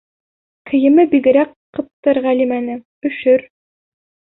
Кейеме бигерәк ҡыптыр Ғәлимәнең, өшөр.